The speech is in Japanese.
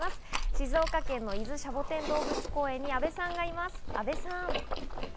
静岡県の伊豆シャボテン動物公園に阿部さんがいます、阿部さん！